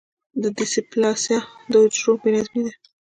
د ډیسپلاسیا د حجرو بې نظمي ده.